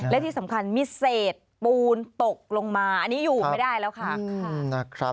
และที่สำคัญมีเศษปูนตกลงมาอันนี้อยู่ไม่ได้แล้วค่ะ